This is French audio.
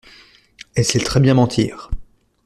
Elle sait très bien mentir.